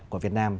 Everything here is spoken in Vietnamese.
của việt nam